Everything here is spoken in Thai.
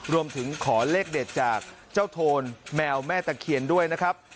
รวมถึงขอเลขเด็ดจากเจ้าโทนแมวแม่ตะเคียนด้วยนะครับ